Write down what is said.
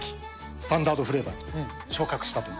スタンダードフレーバーに昇格したという。